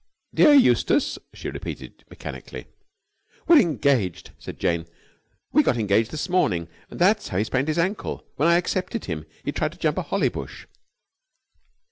"'Dear Eustace'!" she repeated mechanically. "We're engaged," said Jane. "We got engaged this morning. That's how he sprained his ankle. When I accepted him, he tried to jump a holly bush."